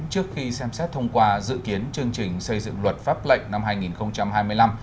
trước khi xem xét thông qua dự kiến chương trình xây dựng luật pháp lệnh năm hai nghìn hai mươi năm